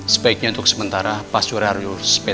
sebaiknya untuk sementara pak suria harus berpikir